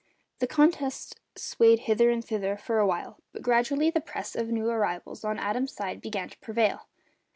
The contest swayed hither and thither for a while, but gradually the press of new arrivals on Adams's side began to prevail.